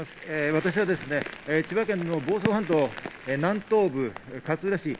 私は千葉県の房総半島南東部、勝浦市。